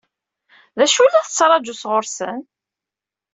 D acu i la tettṛaǧu sɣur-sen?